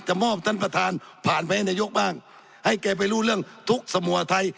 มอบท่านประธานผ่านไปให้นายกบ้างให้แกไปรู้เรื่องทุกสมัวไทย